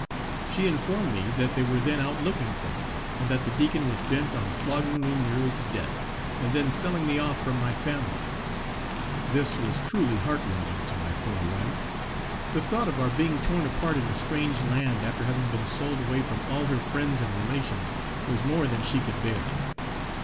She informed me that they were then out looking for me, and that the Deacon was bent on flogging me nearly to death, and then selling me off from my family. This was truly heart rending to my poor wife; the thought of our being torn apart in a strange land after having been sold away from all her friends and relations, was more than she could bear.